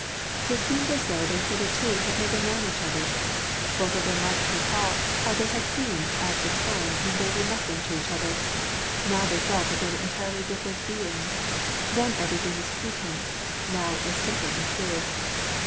It seemed as though they hitherto had never known each other : both of them liked to recall how they had seemed at the time when they were nothing to each other : now they felt that they were entirely different beings ; then everything was pretence, now it was simple and true.